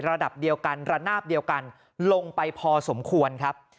ระดับเดียวกันระนาบเดียวกันลงไปพอสมควรครับ